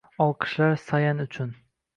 Olqishlar Sayan uchun!